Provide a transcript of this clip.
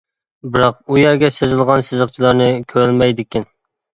بىراق ئۇ يەرگە سىزىلغان سىزىقچىلارنى كۆرەلمەيدىكەن.